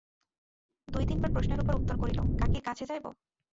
দুই-তিনবার প্রশ্নের পর উত্তর করিল, কাকীর কাছে যাইব।